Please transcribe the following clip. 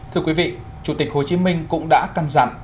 thưa quý vị chủ tịch hồ chí minh cũng đã căng dặn